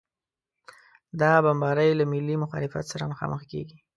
دا بمبارۍ له ملي مخالفت سره مخامخ کېږي.